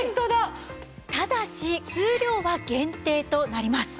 ただし数量は限定となります。